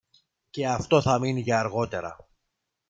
Και αυτό θα μείνει για αργότερα.